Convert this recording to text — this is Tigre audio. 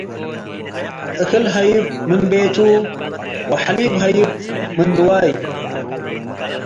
እክል ሀይብ ምን ቤቱ - ወሐሊብ ሀይብ ምን ንዋይ